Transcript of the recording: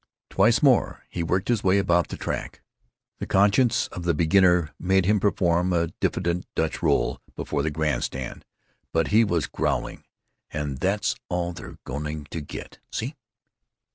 Twice more he worked his way about the track. The conscience of the beginner made him perform a diffident Dutch roll before the grand stand, but he was growling, "And that's all they're going to get. See?"